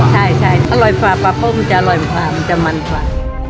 ใช่อร่อยกว่าปลากุ้งจะอร่อยกว่ามันจะมันกว่า